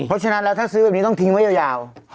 เพราะฉะนั้นแล้วถ้าซื้อแบบนี้ต้องทิ้งไว้ยาว